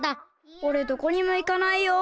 おれどこにも行かないよ。